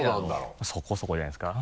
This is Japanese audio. まぁそこそこじゃないですか？